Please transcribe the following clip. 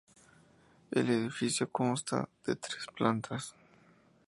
El edificio consta de tres plantas.